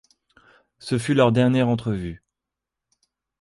Ce fut leur dernière entrevue.